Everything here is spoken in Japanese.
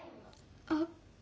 あっ。